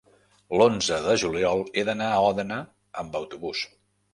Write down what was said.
l'onze de juliol he d'anar a Òdena amb autobús.